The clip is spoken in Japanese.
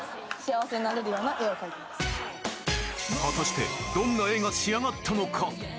［果たしてどんな絵が仕上がったのか？］